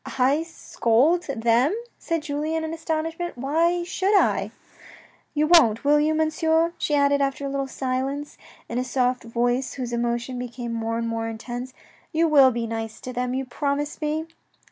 "I scold them!" said Julien in astonishment; "why should I?" "You won't, will you, Monsieur," she added after a little silence, in a soft voice whose emotion became more and more intense. " You will be nice to them, you promise me